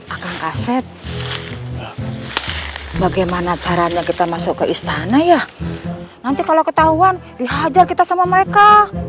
akang kaset bagaimana caranya kita masuk ke istana ya nanti kalau ketahuan dihajar kita sama mereka